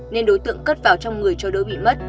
nên đối tượng cất vào trong người cho đối bị mất